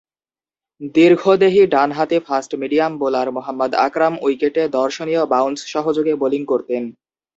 দীর্ঘদেহী ডানহাতি fast medium bowler Mohammad Akram উইকেটে দর্শনীয় বাউন্স সহযোগে বোলিং করতেন।